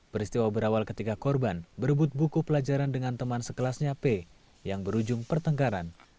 peristiwa berawal ketika korban berebut buku pelajaran dengan teman sekelasnya p yang berujung pertengkaran